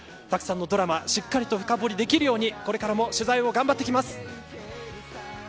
たくさんのドラマしっかりと深掘りできるようにこれからも取材を頑張っていきます。